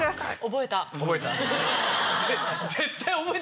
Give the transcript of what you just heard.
覚えた？